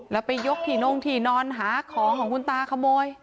แล้วไปยกที่นงที่นอนหาของของคุณตาขโมย